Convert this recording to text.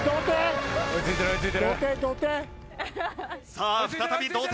さあ再び同点。